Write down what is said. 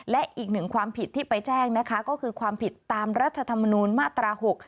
และอีกหนึ่งความผิดที่ไปแจ้งนะคะก็คือความผิดตามรัฐธรรมนูญมาตรา๖